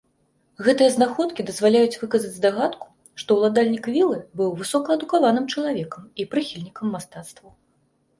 Гэтыя знаходкі дазваляюць выказаць здагадку, што ўладальнік вілы быў высокаадукаваным чалавекам і прыхільнікам мастацтваў.